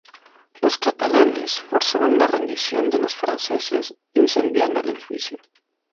Los catalanes forzaron la rendición de los franceses incendiando el edificio.